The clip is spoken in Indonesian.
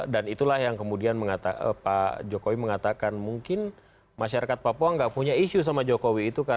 dan itulah yang kemudian pak jokowi mengatakan mungkin masyarakat papua nggak punya isu sama jokowi itu